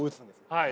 はい。